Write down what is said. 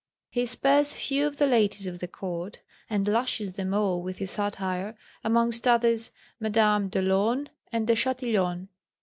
He spares few of the ladies of the Court, and lashes them all with his satire, amongst others Mesdames d'Olonne and de Chatillon.